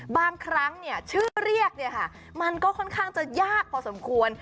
บางครั้งชื่อเรียกมันก็ค่อนข้างจะยากพอสมควร